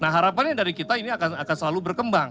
nah harapannya dari kita ini akan selalu berkembang